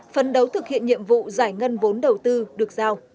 phấn đấu thực hiện nhiệm vụ giải ngân vốn đầu tư được giao